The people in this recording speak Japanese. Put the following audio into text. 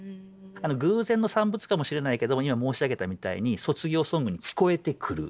偶然の産物かもしれないけども今申し上げたみたいに卒業ソングに聞こえてくる。